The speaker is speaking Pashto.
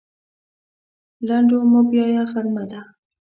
لنډو مه بیایه غرمه ده.